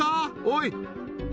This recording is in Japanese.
おい！